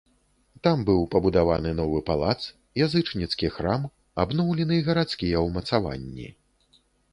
Там быў пабудаваны новы палац, язычніцкі храм, абноўлены гарадскія ўмацаванні.